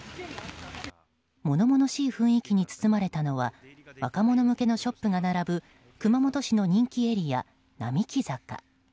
物々しい雰囲気に包まれたのは若者向けのショップが並ぶ熊本市の人気エリア、並木坂。